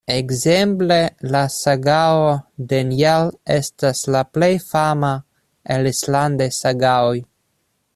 Ekzemple La sagao de Njal estas la plej fama el islandaj sagaoj.